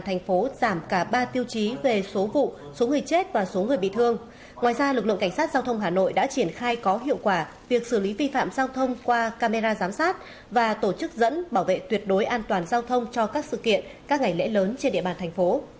ngoài ra lực lượng cảnh sát giao thông hà nội đã triển khai có hiệu quả việc xử lý vi phạm giao thông qua camera giám sát và tổ chức dẫn bảo vệ tuyệt đối an toàn giao thông cho các sự kiện các ngày lễ lớn trên địa bàn thành phố